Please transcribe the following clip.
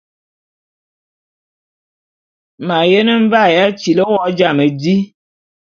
M’ ayene mvae ya tili wo jam di.